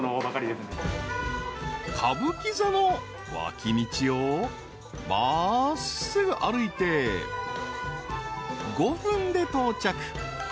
［歌舞伎座の脇道を真っすぐ歩いて５分で到着］